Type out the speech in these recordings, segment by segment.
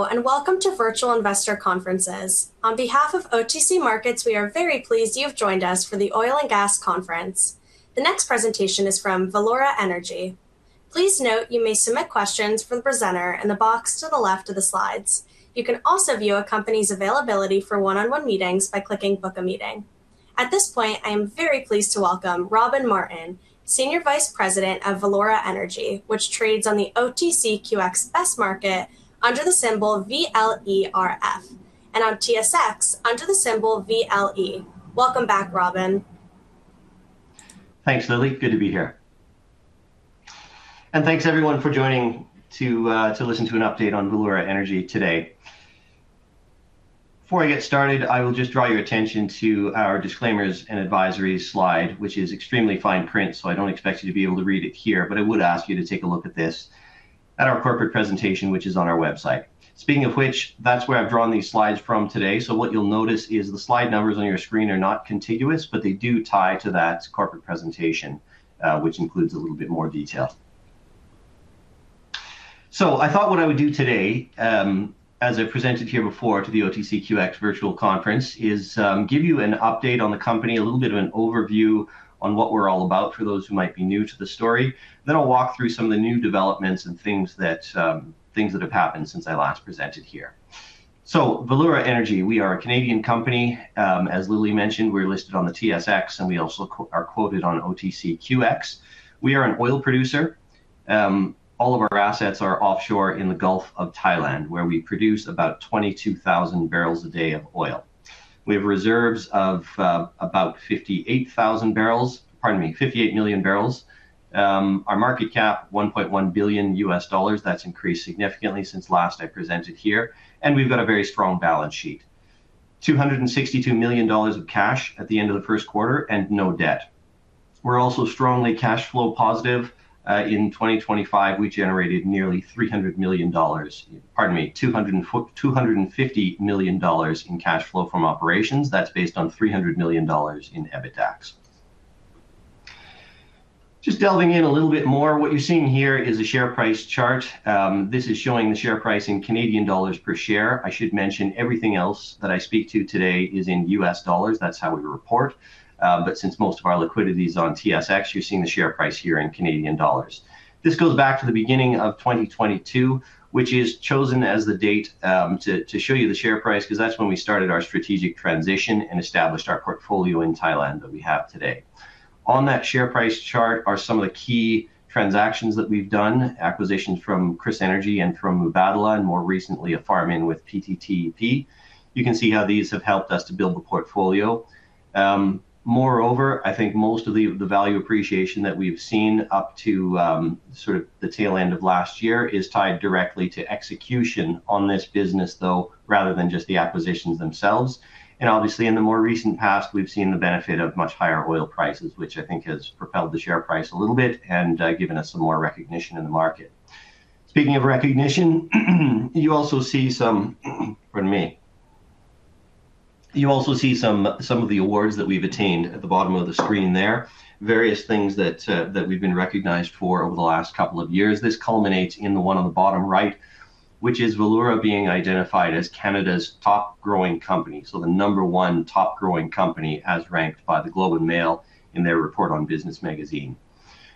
Hello, and welcome to Virtual Investor Conferences. On behalf of OTC Markets, we are very pleased you have joined us for the Oil and Gas Conference. The next presentation is from Valeura Energy. Please note you may submit questions for the presenter in the box to the left of the slides. You can also view a company's availability for one-on-one meetings by clicking "Book a Meeting." At this point, I am very pleased to welcome Robin Martin, Senior Vice President of Valeura Energy, which trades on the OTCQX Best Market under the symbol VLERF and on TSX under the symbol VLE. Welcome back, Robin. Thanks, Lily. Good to be here. Thanks everyone for joining to listen to an update on Valeura Energy today. Before I get started, I will just draw your attention to our disclaimers and advisories slide, which is extremely fine print, so I don't expect you to be able to read it here, but I would ask you to take a look at this at our corporate presentation, which is on our website. Speaking of which, that's where I've drawn these slides from today. What you'll notice is the slide numbers on your screen are not contiguous, but they do tie to that corporate presentation, which includes a little bit more detail. I thought what I would do today, as I've presented here before to the OTCQX Virtual Conference, is give you an update on the company, a little bit of an overview on what we're all about for those who might be new to the story, then I'll walk through some of the new developments and things that have happened since I last presented here. Valeura Energy, we are a Canadian company. As Lily mentioned, we're listed on the TSX, and we also are quoted on OTCQX. We are an oil producer. All of our assets are offshore in the Gulf of Thailand, where we produce about 22,000 barrels a day of oil. We have reserves of about 58 million barrels. Our market cap, $1.1 billion. That's increased significantly since last I presented here, and we've got a very strong balance sheet. $262 million of cash at the end of the first quarter and no debt. We're also strongly cash flow positive. In 2025, we generated nearly $300 million, pardon me, $250 million in cash flow from operations. That's based on $300 million in EBITDAX. Just delving in a little bit more, what you're seeing here is a share price chart. This is showing the share price in Canadian dollars per share. I should mention everything else that I speak to today is in US dollars. That's how we report. Since most of our liquidity is on TSX, you're seeing the share price here in Canadian dollars. This goes back to the beginning of 2022, which is chosen as the date to show you the share price because that's when we started our strategic transition and established our portfolio in Thailand that we have today. On that share price chart are some of the key transactions that we've done, acquisitions from KrisEnergy and from Mubadala, and more recently, a farm-in with PTTEP. You can see how these have helped us to build the portfolio. Moreover, I think most of the value appreciation that we've seen up to sort of the tail end of last year is tied directly to execution on this business, though, rather than just the acquisitions themselves. Obviously in the more recent past, we've seen the benefit of much higher oil prices, which I think has propelled the share price a little bit and given us some more recognition in the market. Speaking of recognition, you also see some of the awards that we've attained at the bottom of the screen there. Various things that we've been recognized for over the last couple of years. This culminates in the one on the bottom right, which is Valeura being identified as Canada's top growing company. The number one top growing company as ranked by The Globe and Mail in their Report on Business Magazine.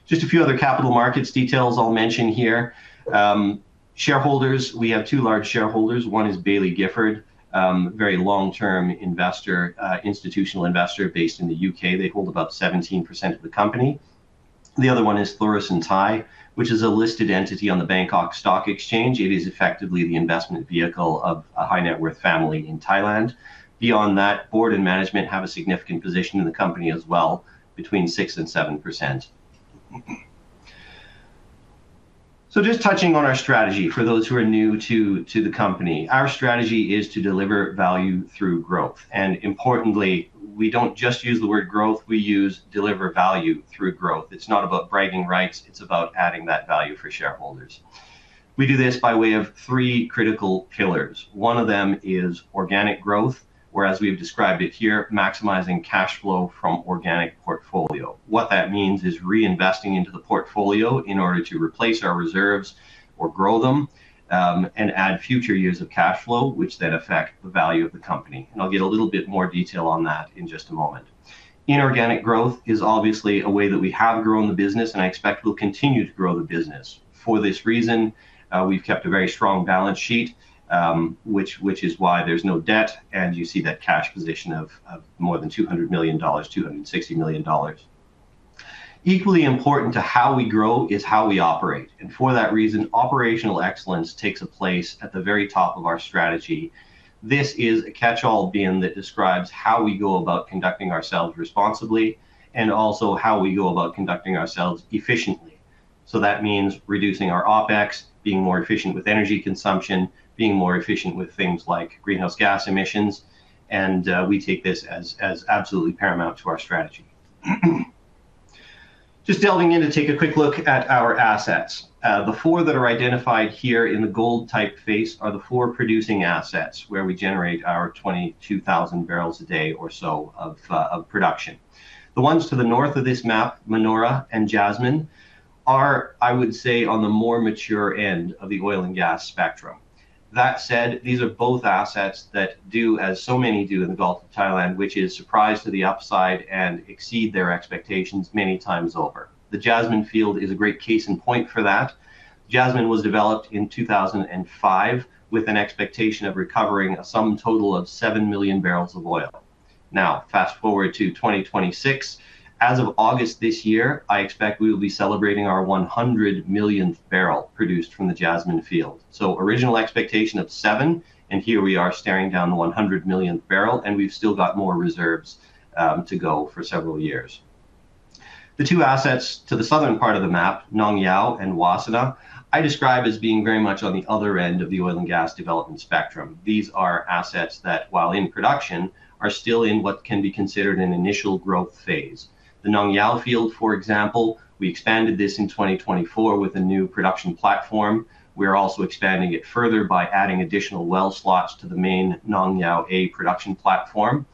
Just a few other capital markets details I'll mention here. Shareholders, we have two large shareholders. One is Baillie Gifford, very long-term investor, institutional investor based in the U.K. They hold about 17% of the company. The other one is Thoresen Thai, which is a listed entity on the Stock Exchange of Thailand. It is effectively the investment vehicle of a high net worth family in Thailand. Beyond that, board and management have a significant position in the company as well, between 6% and 7%. Just touching on our strategy for those who are new to the company. Our strategy is to deliver value through growth, and importantly, we don't just use the word growth, we use deliver value through growth. It's not about bragging rights, it's about adding that value for shareholders. We do this by way of three critical pillars. One of them is organic growth, or as we've described it here, maximizing cash flow from organic portfolio. What that means is reinvesting into the portfolio in order to replace our reserves or grow them, and add future years of cash flow, which then affect the value of the company, and I'll get a little bit more detail on that in just a moment. Inorganic growth is obviously a way that we have grown the business, and I expect we'll continue to grow the business. For this reason, we've kept a very strong balance sheet, which is why there's no debt, and you see that cash position of more than $200 million, $260 million. Equally important to how we grow is how we operate, and for that reason, operational excellence takes a place at the very top of our strategy. This is a catch-all bin that describes how we go about conducting ourselves responsibly and also how we go about conducting ourselves efficiently. That means reducing our OpEx, being more efficient with energy consumption, being more efficient with things like greenhouse gas emissions, and we take this as absolutely paramount to our strategy. Just delving in to take a quick look at our assets. The four that are identified here in the gold typeface are the four producing assets where we generate our 22,000 barrels a day or so of production. The ones to the north of this map, Manora and Jasmine, are, I would say, on the more mature end of the oil and gas spectrum. That said, these are both assets that do as so many do in the Gulf of Thailand, which is surprise to the upside and exceed their expectations many times over. The Jasmine field is a great case in point for that. Jasmine was developed in 2005 with an expectation of recovering a sum total of seven million barrels of oil. Now, fast-forward to 2026. As of August this year, I expect we will be celebrating our 100 millionth barrel produced from the Jasmine field. Original expectation of seven, and here we are staring down the 100 millionth barrel, and we've still got more reserves to go for several years. The two assets to the southern part of the map, Nong Yao and Wassana, I describe as being very much on the other end of the oil and gas development spectrum. These are assets that, while in production, are still in what can be considered an initial growth phase. The Nong Yao field, for example, we expanded this in 2024 with a new production platform. We are also expanding it further by adding additional well slots to the main Nong Yao A production platform,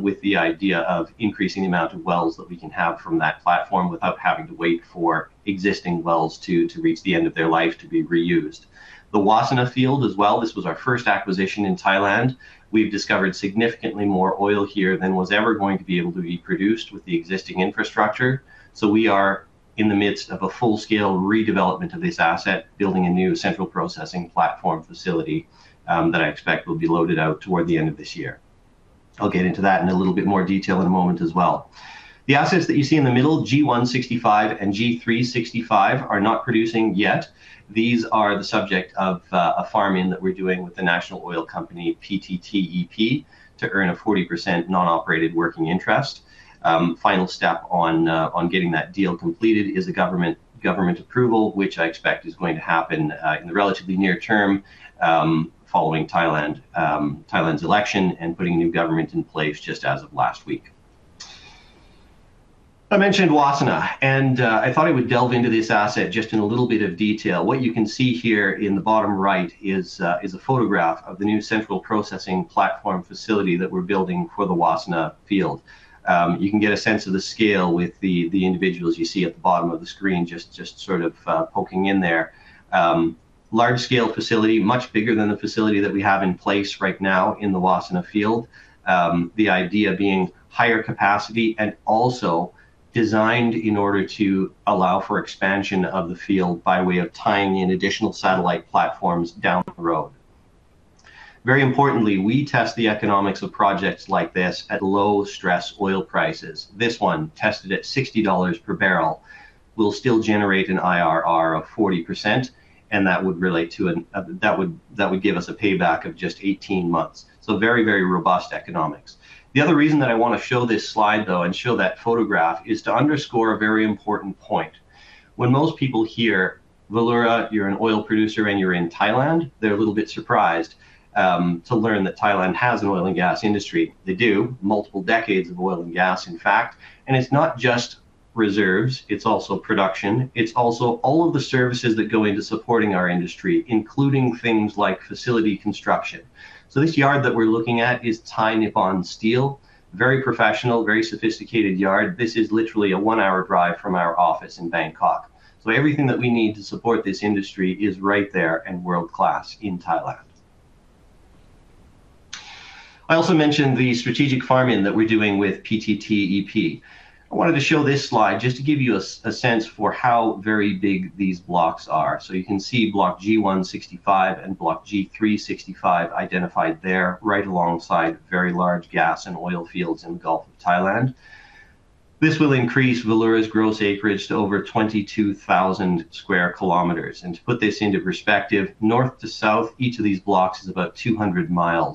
with the idea of increasing the amount of wells that we can have from that platform without having to wait for existing wells to reach the end of their life to be reused. The Wassana field as well, this was our first acquisition in Thailand. We've discovered significantly more oil here than was ever going to be able to be produced with the existing infrastructure. We are in the midst of a full-scale redevelopment of this asset, building a new central processing platform facility that I expect will be loaded out toward the end of this year. I'll get into that in a little bit more detail in a moment as well. The assets that you see in the middle, G1/65 and G3/65, are not producing yet. These are the subject of a farm-in that we're doing with the national oil company, PTTEP, to earn a 40% non-operated working interest. Final step on getting that deal completed is the government approval, which I expect is going to happen in the relatively near term following Thailand's election and putting a new government in place just as of last week. I mentioned Wassana, and I thought I would delve into this asset just in a little bit of detail. What you can see here in the bottom right is a photograph of the new central processing platform facility that we're building for the Wassana field. You can get a sense of the scale with the individuals you see at the bottom of the screen, just sort of poking in there. Large-scale facility, much bigger than the facility that we have in place right now in the Wassana field. The idea being higher capacity and also designed in order to allow for expansion of the field by way of tying in additional satellite platforms down the road. Very importantly, we test the economics of projects like this at low-stress oil prices. This one, tested at $60 per barrel, will still generate an IRR of 40%, and that would give us a payback of just 18 months. Very, very robust economics. The other reason that I want to show this slide, though, and show that photograph, is to underscore a very important point. When most people hear, "Valeura, you're an oil producer and you're in Thailand?" They're a little bit surprised to learn that Thailand has an oil and gas industry. They do. Multiple decades of oil and gas, in fact. It's not just reserves, it's also production. It's also all of the services that go into supporting our industry, including things like facility construction. This yard that we're looking at is Thai-Nippon Steel. Very professional, very sophisticated yard. This is literally a one-hour drive from our office in Bangkok. Everything that we need to support this industry is right there and world-class in Thailand. I also mentioned the strategic farm-in that we're doing with PTTEP. I wanted to show this slide just to give you a sense for how very big these blocks are. You can see Block G1/65 and Block G3/65 identified there right alongside very large gas and oil fields in Gulf of Thailand. This will increase Valeura's gross acreage to over 22,000 sq km. To put this into perspective, north to south, each of these blocks is about 200 mi.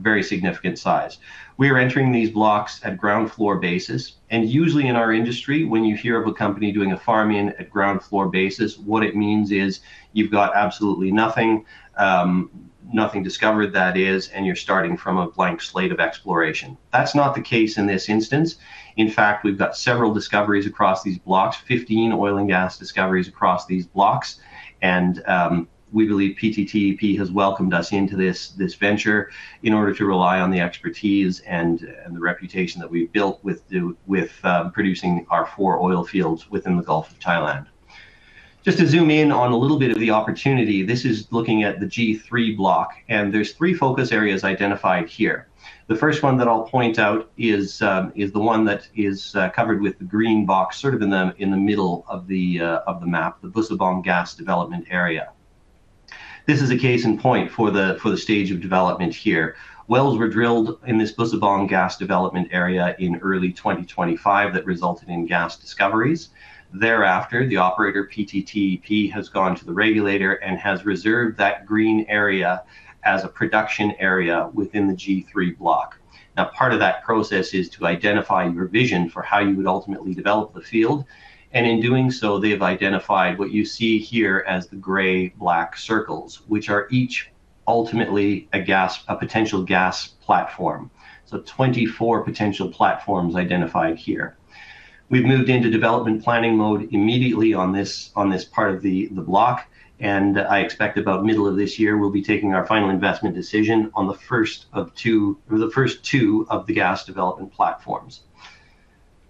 Very significant size. We are entering these blocks at ground floor basis, and usually in our industry, when you hear of a company doing a farm-in at ground floor basis, what it means is you've got absolutely nothing discovered, that is, and you're starting from a blank slate of exploration. That's not the case in this instance. In fact, we've got several discoveries across these blocks, 15 oil and gas discoveries across these blocks. We believe PTTEP has welcomed us into this venture in order to rely on the expertise and the reputation that we've built with producing our four oil fields within the Gulf of Thailand. Just to zoom in on a little bit of the opportunity, this is looking at the G3 block, and there's three focus areas identified here. The first one that I'll point out is the one that is covered with the green box, sort of in the middle of the map, the Busabong gas development area. This is a case in point for the stage of development here. Wells were drilled in this Busabong gas development area in early 2025 that resulted in gas discoveries. Thereafter, the operator, PTTEP, has gone to the regulator and has reserved that green area as a production area within the G3 block. Now, part of that process is to identify your vision for how you would ultimately develop the field. In doing so, they have identified what you see here as the gray black circles, which are each ultimately a potential gas platform. 24 potential platforms identified here. We've moved into development planning mode immediately on this part of the block, and I expect about middle of this year, we'll be taking our final investment decision on the first two of the gas development platforms.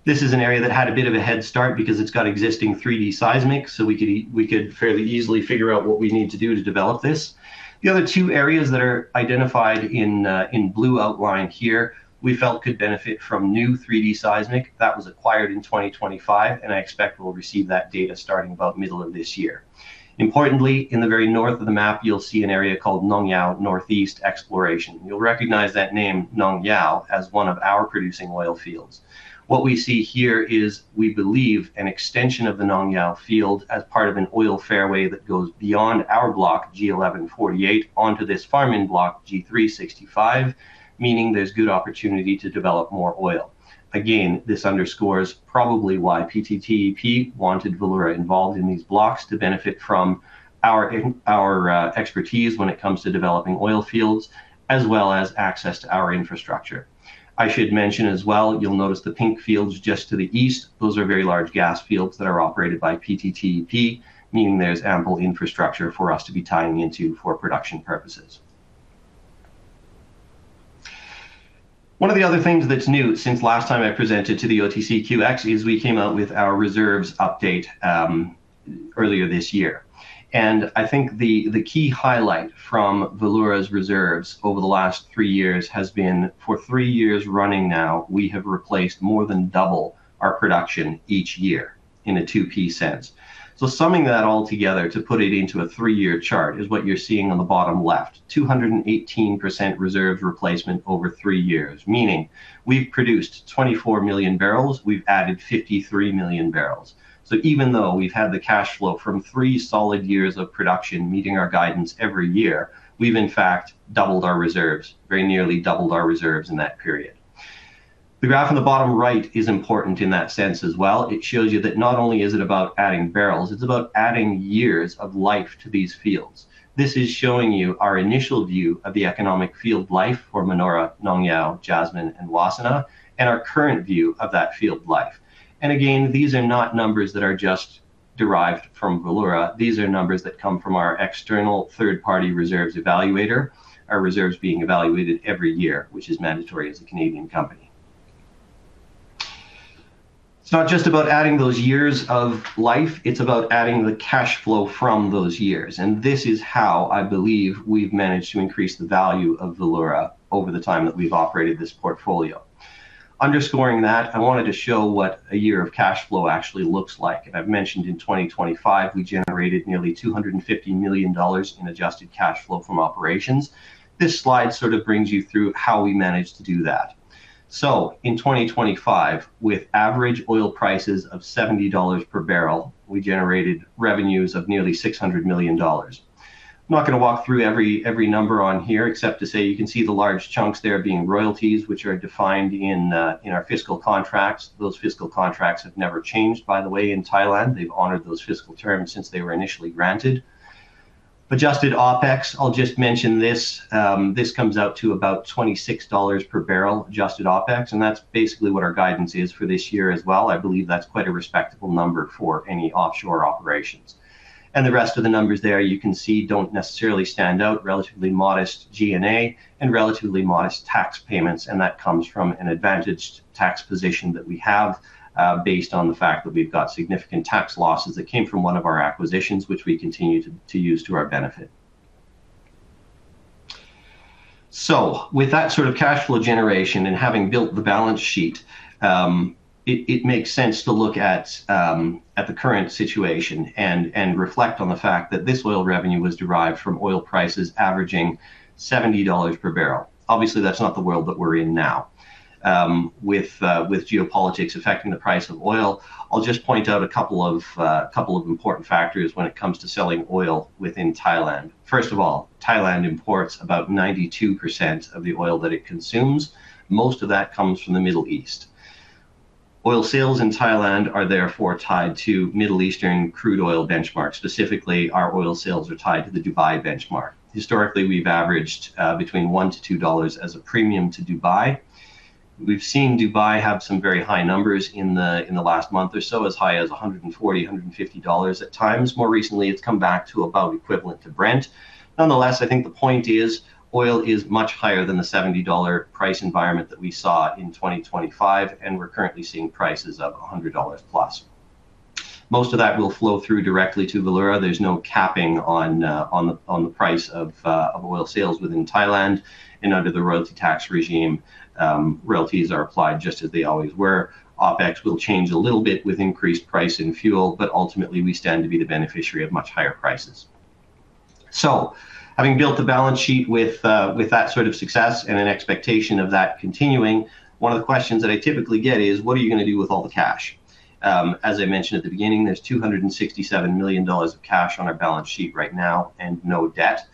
This is an area that had a bit of a head start because it's got existing 3D seismic, so we could fairly easily figure out what we need to do to develop this. The other two areas that are identified in blue outline here we felt could benefit from new 3D seismic. That was acquired in 2025, and I expect we'll receive that data starting about middle of this year. Importantly, in the very north of the map, you'll see an area called Nong Yao North-East Exploration. You'll recognize that name, Nong Yao, as one of our producing oil fields. What we see here is, we believe, an extension of the Nong Yao field as part of an oil fairway that goes beyond our block, G11/48, onto this farm-in block, G3/65, meaning there's good opportunity to develop more oil. Again, this underscores probably why PTTEP wanted Valeura involved in these blocks to benefit from our expertise when it comes to developing oil fields, as well as access to our infrastructure. I should mention as well, you'll notice the pink fields just to the east. Those are very large gas fields that are operated by PTTEP, meaning there's ample infrastructure for us to be tying into for production purposes. One of the other things that's new since last time I presented to the OTCQX is we came out with our reserves update earlier this year. I think the key highlight from Valeura's reserves over the last three years has been for three years running now, we have replaced more than double our production each year in a 2P sense. Summing that all together to put it into a three-year chart is what you're seeing on the bottom left, 218% reserve replacement over three years, meaning we've produced 24 million barrels, we've added 53 million barrels. Even though we've had the cash flow from three solid years of production meeting our guidance every year, we've in fact doubled our reserves, very nearly doubled our reserves in that period. The graph on the bottom right is important in that sense as well. It shows you that not only is it about adding barrels, it's about adding years of life to these fields. This is showing you our initial view of the economic field life for Manora, Nong Yao, Jasmine and Wassana, and our current view of that field life. Again, these are not numbers that are just derived from Valeura. These are numbers that come from our external third-party reserves evaluator, our reserves being evaluated every year, which is mandatory as a Canadian company. It's not just about adding those years of life, it's about adding the cash flow from those years. This is how I believe we've managed to increase the value of Valeura over the time that we've operated this portfolio. Underscoring that, I wanted to show what a year of cash flow actually looks like. I've mentioned in 2025, we generated nearly $250 million in adjusted cash flow from operations. This slide sort of brings you through how we managed to do that. In 2025, with average oil prices of $70 per barrel, we generated revenues of nearly $600 million. I'm not going to walk through every number on here except to say you can see the large chunks there being royalties, which are defined in our fiscal contracts. Those fiscal contracts have never changed by the way, in Thailand. They've honored those fiscal terms since they were initially granted. Adjusted OpEx, I'll just mention this. This comes out to about $26 per barrel adjusted OpEx, and that's basically what our guidance is for this year as well. I believe that's quite a respectable number for any offshore operations. The rest of the numbers there you can see don't necessarily stand out, relatively modest G&A and relatively modest tax payments, and that comes from an advantaged tax position that we have, based on the fact that we've got significant tax losses that came from one of our acquisitions, which we continue to use to our benefit. With that sort of cash flow generation and having built the balance sheet, it makes sense to look at the current situation and reflect on the fact that this oil revenue was derived from oil prices averaging $70 per barrel. Obviously, that's not the world that we're in now. With geopolitics affecting the price of oil, I'll just point out a couple of important factors when it comes to selling oil within Thailand. First of all, Thailand imports about 92% of the oil that it consumes. Most of that comes from the Middle East. Oil sales in Thailand are therefore tied to Middle Eastern crude oil benchmarks. Specifically, our oil sales are tied to the Dubai benchmark. Historically, we've averaged between $1-$2 as a premium to Dubai. We've seen Dubai have some very high numbers in the last month or so, as high as $140-$150 at times. More recently, it's come back to about equivalent to Brent. Nonetheless, I think the point is, oil is much higher than the $70 price environment that we saw in 2025, and we're currently seeing prices of $100+. Most of that will flow through directly to Valeura. There's no capping on the price of oil sales within Thailand. Under the royalty tax regime, royalties are applied just as they always were. OpEx will change a little bit with increased price in fuel, but ultimately, we stand to be the beneficiary of much higher prices. Having built the balance sheet with that sort of success and an expectation of that continuing, one of the questions that I typically get is: What are you going to do with all the cash? As I mentioned at the beginning, there's $267 million of cash on our balance sheet right now and no debt.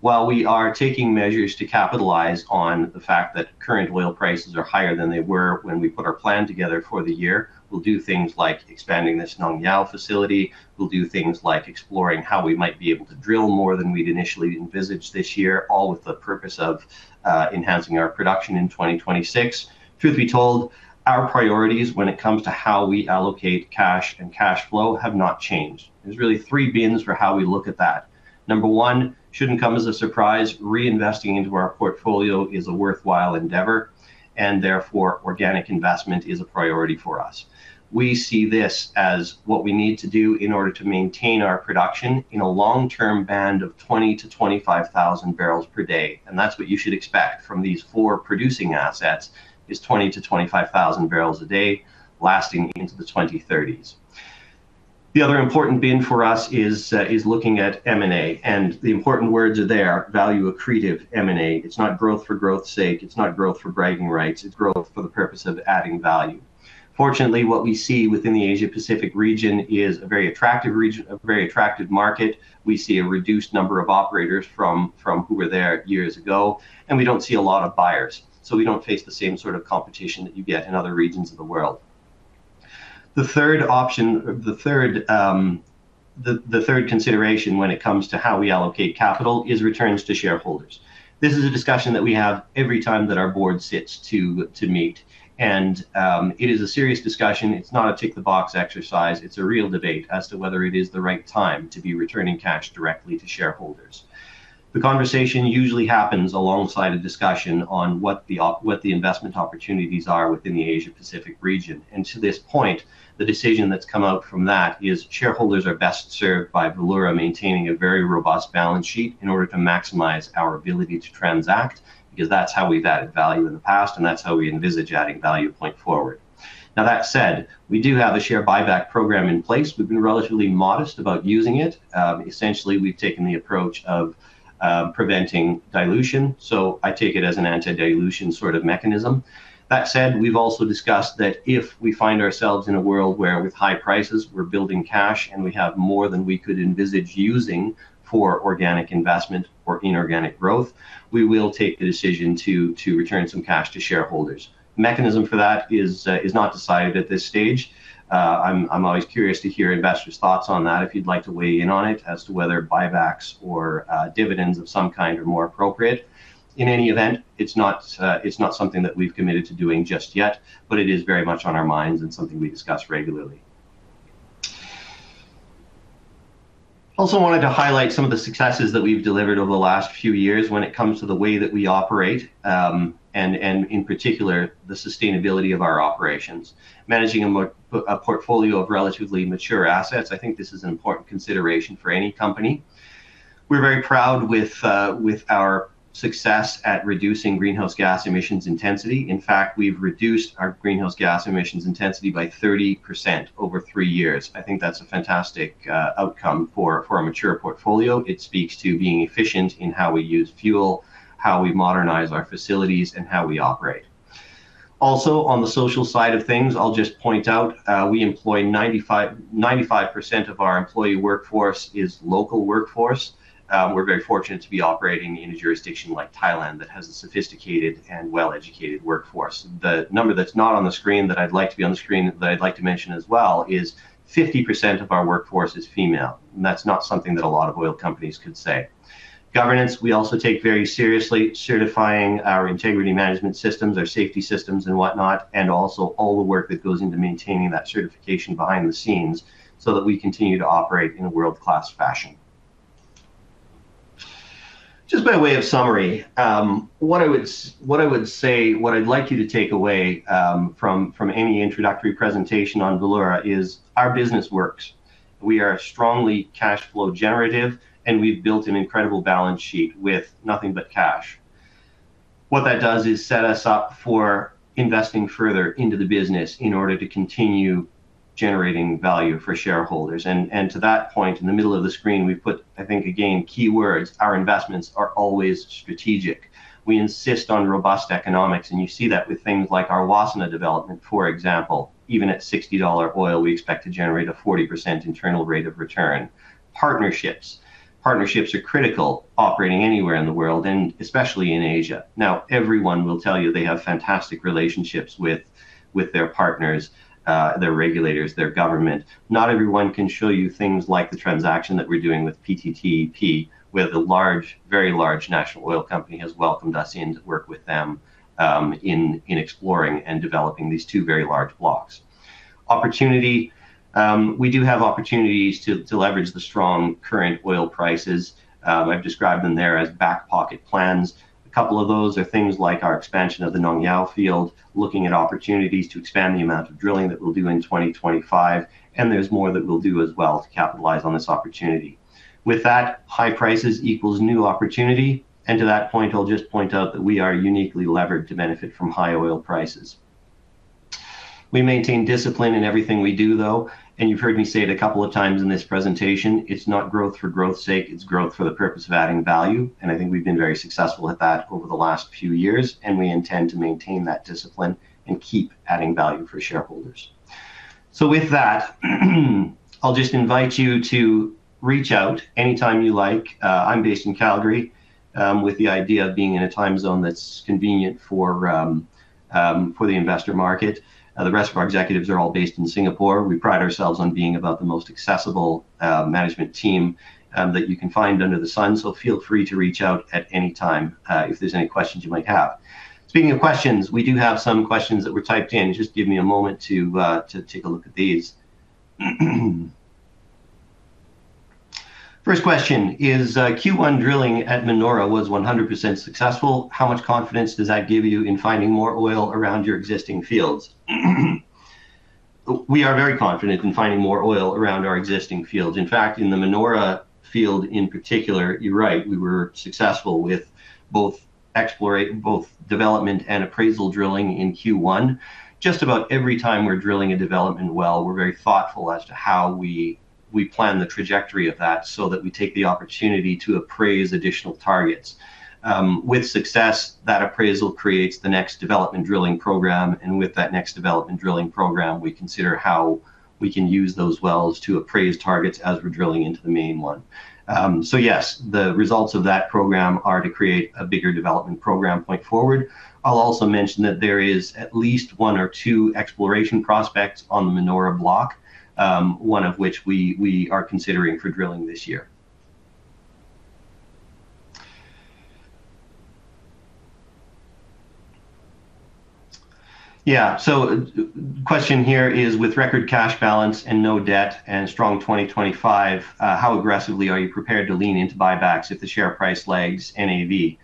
While we are taking measures to capitalize on the fact that current oil prices are higher than they were when we put our plan together for the year, we'll do things like expanding this Nong Yao facility. We'll do things like exploring how we might be able to drill more than we'd initially envisioned this year, all with the purpose of enhancing our production in 2026. Truth be told, our priorities when it comes to how we allocate cash and cash flow have not changed. There's really three bins for how we look at that. Number one shouldn't come as a surprise. Reinvesting into our portfolio is a worthwhile endeavor, and therefore organic investment is a priority for us. We see this as what we need to do in order to maintain our production in a long-term band of 20,000-25,000 barrels per day, and that's what you should expect from these four producing assets, is 20,000-25,000 barrels a day lasting into the 2030s. The other important bin for us is looking at M&A, and the important words are there, value accretive M&A. It's not growth for growth's sake. It's not growth for bragging rights. It's growth for the purpose of adding value. Fortunately, what we see within the Asia-Pacific region is a very attractive market. We see a reduced number of operators from who were there years ago, and we don't see a lot of buyers. We don't face the same sort of competition that you get in other regions of the world. The third consideration when it comes to how we allocate capital is returns to shareholders. This is a discussion that we have every time that our board sits to meet, and it is a serious discussion. It's not a tick-the-box exercise. It's a real debate as to whether it is the right time to be returning cash directly to shareholders. The conversation usually happens alongside a discussion on what the investment opportunities are within the Asia-Pacific region. To this point, the decision that's come out from that is shareholders are best served by Valeura maintaining a very robust balance sheet in order to maximize our ability to transact, because that's how we've added value in the past, and that's how we envisage adding value going forward. Now, that said, we do have a share buyback program in place. We've been relatively modest about using it. Essentially, we've taken the approach of preventing dilution, so I take it as an anti-dilution sort of mechanism. That said, we've also discussed that if we find ourselves in a world where with high prices, we're building cash and we have more than we could envisage using for organic investment or inorganic growth, we will take the decision to return some cash to shareholders. Mechanism for that is not decided at this stage. I'm always curious to hear investors' thoughts on that, if you'd like to weigh in on it as to whether buybacks or dividends of some kind are more appropriate. In any event, it's not something that we've committed to doing just yet, but it is very much on our minds and something we discuss regularly. Also wanted to highlight some of the successes that we've delivered over the last few years when it comes to the way that we operate, and in particular, the sustainability of our operations. Managing a portfolio of relatively mature assets, I think this is an important consideration for any company. We're very proud with our success at reducing greenhouse gas emissions intensity. In fact, we've reduced our greenhouse gas emissions intensity by 30% over three years. I think that's a fantastic outcome for a mature portfolio. It speaks to being efficient in how we use fuel, how we modernize our facilities, and how we operate. Also, on the social side of things, I'll just point out, 95% of our employee workforce is local workforce. We're very fortunate to be operating in a jurisdiction like Thailand that has a sophisticated and well-educated workforce. The number that's not on the screen that I'd like to be on the screen, that I'd like to mention as well is 50% of our workforce is female, and that's not something that a lot of oil companies could say. Governance, we also take very seriously certifying our integrity management systems, our safety systems and whatnot, and also all the work that goes into maintaining that certification behind the scenes so that we continue to operate in a world-class fashion. Just by way of summary, what I'd like you to take away from any introductory presentation on Valeura is our business works. We are strongly cash flow generative, and we've built an incredible balance sheet with nothing but cash. What that does is set us up for investing further into the business in order to continue generating value for shareholders. To that point, in the middle of the screen, we've put, I think, again, keywords. Our investments are always strategic. We insist on robust economics, and you see that with things like our Wassana development, for example. Even at $60 oil, we expect to generate a 40% internal rate of return. Partnerships are critical operating anywhere in the world, and especially in Asia. Now, everyone will tell you they have fantastic relationships with their partners, their regulators, their government. Not everyone can show you things like the transaction that we're doing with PTTEP, where the very large national oil company has welcomed us in to work with them in exploring and developing these two very large blocks. Opportunity. We do have opportunities to leverage the strong current oil prices. I've described them there as back-pocket plans. A couple of those are things like our expansion of the Nong Yao field, looking at opportunities to expand the amount of drilling that we'll do in 2025, and there's more that we'll do as well to capitalize on this opportunity. With that, high prices equals new opportunity. To that point, I'll just point out that we are uniquely levered to benefit from high oil prices. We maintain discipline in everything we do, though, and you've heard me say it a couple of times in this presentation. It's not growth for growth's sake. It's growth for the purpose of adding value, and I think we've been very successful at that over the last few years, and we intend to maintain that discipline and keep adding value for shareholders. With that, I'll just invite you to reach out anytime you like. I'm based in Calgary, with the idea of being in a time zone that's convenient for the investor market. The rest of our executives are all based in Singapore. We pride ourselves on being about the most accessible management team that you can find under the sun. Feel free to reach out at any time if there's any questions you might have. Speaking of questions, we do have some questions that were typed in. Just give me a moment to take a look at these. First question is, Q1 drilling at Manora was 100% successful. How much confidence does that give you in finding more oil around your existing fields? We are very confident in finding more oil around our existing fields. In fact, in the Manora field in particular, you're right. We were successful with both development and appraisal drilling in Q1. Just about every time we're drilling a development well, we're very thoughtful as to how we plan the trajectory of that so that we take the opportunity to appraise additional targets. With success, that appraisal creates the next development drilling program, and with that next development drilling program, we consider how we can use those wells to appraise targets as we're drilling into the main one. Yes, the results of that program are to create a bigger development program going forward. I'll also mention that there is at least one or two exploration prospects on the Manora block, one of which we are considering for drilling this year. Yeah. The question here is: With record cash balance and no debt and strong 2025, how aggressively are you prepared to lean into buybacks if the share price lags NAV?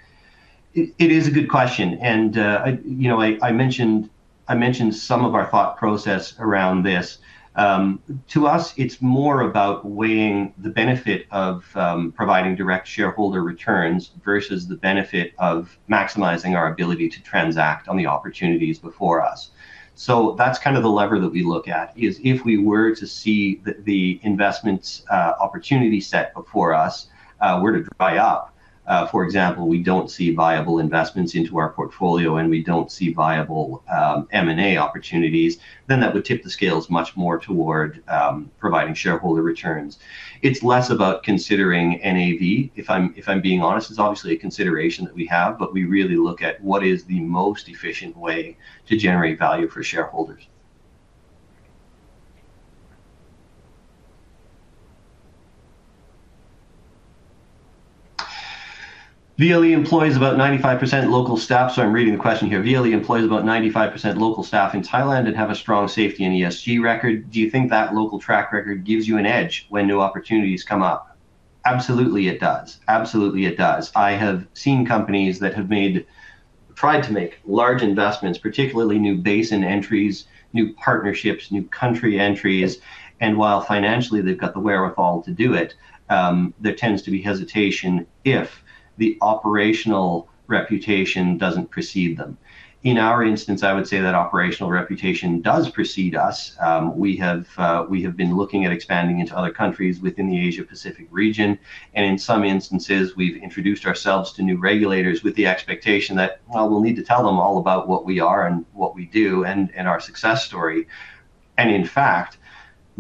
It is a good question, and I mentioned some of our thought process around this. To us, it's more about weighing the benefit of providing direct shareholder returns versus the benefit of maximizing our ability to transact on the opportunities before us. That's kind of the lever that we look at is if we were to see the investments opportunity set before us were to dry up. For example, we don't see viable investments into our portfolio, and we don't see viable M&A opportunities, then that would tip the scales much more toward providing shareholder returns. It's less about considering NAV. If I'm being honest, it's obviously a consideration that we have, but we really look at what is the most efficient way to generate value for shareholders. VLE employs about 95% local staff. So I'm reading the question here. VLE employs about 95% local staff in Thailand and have a strong safety and ESG record. Do you think that local track record gives you an edge when new opportunities come up? Absolutely, it does. I have seen companies that have tried to make large investments, particularly new basin entries, new partnerships, new country entries, and while financially, they've got the wherewithal to do it, there tends to be hesitation if the operational reputation doesn't precede them. In our instance, I would say that operational reputation does precede us. We have been looking at expanding into other countries within the Asia-Pacific region, and in some instances, we've introduced ourselves to new regulators with the expectation that while we'll need to tell them all about what we are and what we do and our success story. In fact,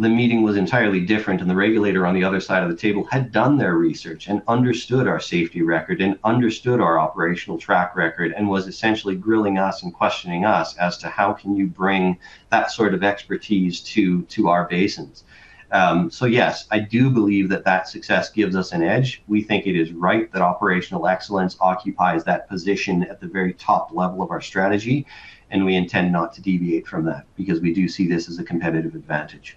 the meeting was entirely different, and the regulator on the other side of the table had done their research and understood our safety record and understood our operational track record and was essentially grilling us and questioning us as to how can you bring that sort of expertise to our basins. Yes, I do believe that that success gives us an edge. We think it is right that operational excellence occupies that position at the very top level of our strategy, and we intend not to deviate from that because we do see this as a competitive advantage.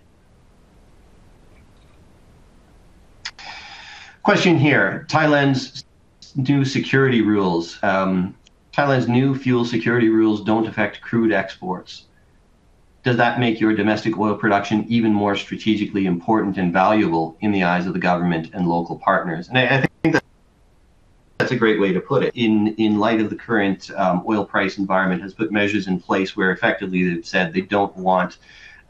Question here. Thailand's new fuel security rules don't affect crude exports. Does that make your domestic oil production even more strategically important and valuable in the eyes of the government and local partners? I think that's a great way to put it. In light of the current oil price environment, Thailand has put measures in place where effectively they've said they don't want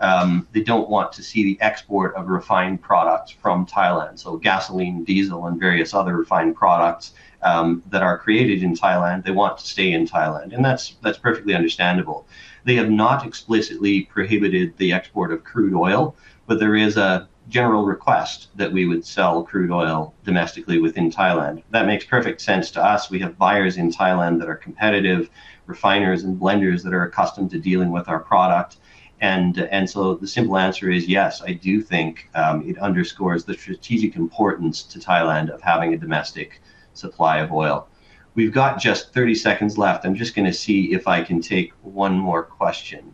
to see the export of refined products from Thailand. Gasoline, diesel, and various other refined products that are created in Thailand, they want to stay in Thailand, and that's perfectly understandable. They have not explicitly prohibited the export of crude oil, but there is a general request that we would sell crude oil domestically within Thailand. That makes perfect sense to us. We have buyers in Thailand that are competitive refiners and blenders that are accustomed to dealing with our product. The simple answer is yes, I do think it underscores the strategic importance to Thailand of having a domestic supply of oil. We've got just 30 seconds left. I'm just going to see if I can take one more question.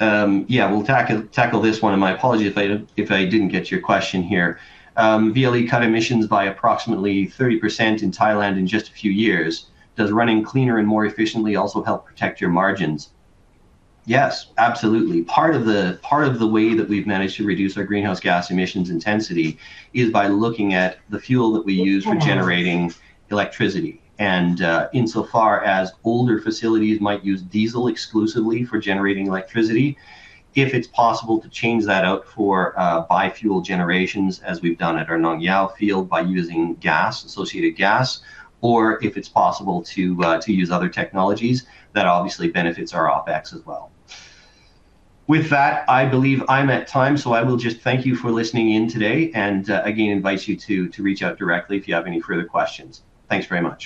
Yeah. We'll tackle this one, and my apologies if I didn't get your question here. VLE cut emissions by approximately 30% in Thailand in just a few years. Does running cleaner and more efficiently also help protect your margins? Yes, absolutely. Part of the way that we've managed to reduce our greenhouse gas emissions intensity is by looking at the fuel that we use for generating electricity. Insofar as older facilities might use diesel exclusively for generating electricity, if it's possible to change that out for biofuel generations, as we've done at our Nong Yao field, by using associated gas, or if it's possible to use other technologies, that obviously benefits our OpEx as well. With that, I believe I'm at time, so I will just thank you for listening in today and, again, invite you to reach out directly if you have any further questions. Thanks very much.